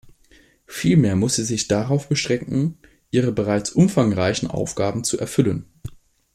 Vielmehr muss sie sich darauf beschränken, ihre bereits umfangreichen Aufgaben zu erfüllen.